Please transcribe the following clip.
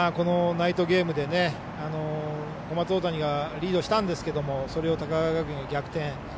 ナイトゲームで小松大谷がリードしたんですけどそれを高川学園が逆転。